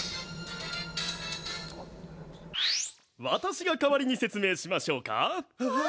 私が代わりに説明しましょうか。